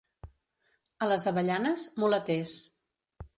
A les Avellanes, mulaters.